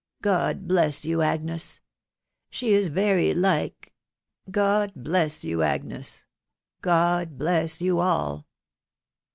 • God bless you, Agnes !.•.. She is very like .•• God bless you, Agnes !.... God bless you all